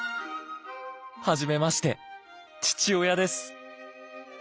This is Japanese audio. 「はじめまして父親です」。